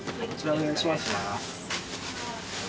お願いします。